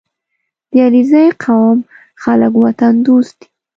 • د علیزي قوم خلک وطن دوست دي.